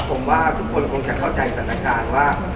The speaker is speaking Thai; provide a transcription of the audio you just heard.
ผมว่าทุกคนคงจะเข้าใจสถานการณ์ว่า